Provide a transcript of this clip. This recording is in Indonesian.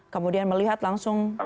kemudian melihat langsung